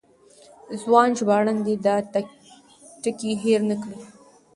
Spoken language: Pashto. ځوان ژباړن دې دا ټکی هېر نه کړي.